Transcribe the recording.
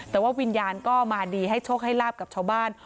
แต่ว่าวิญญาณก็มาดีให้โชคให้ลาบกับชาวบ้าน